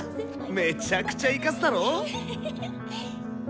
めちゃくちゃイカすだろ？